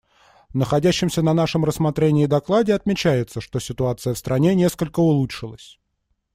В находящемся на нашем рассмотрении докладе отмечается, что ситуация в стране несколько улучшилась.